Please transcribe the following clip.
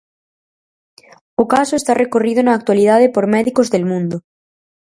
O caso está recorrido na actualidade por Médicos del Mundo.